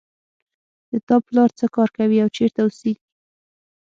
د تا پلار څه کار کوي او چېرته اوسیږي